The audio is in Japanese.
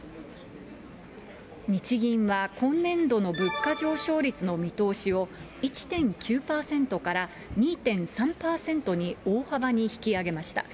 日銀は今年度の物価上昇率の見通しを、１．９％から２．３％に大幅に引き上げました。